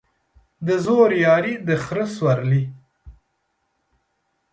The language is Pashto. د زورياري ، د خره سورلى.